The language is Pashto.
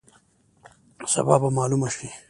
سبا به معلومه شي.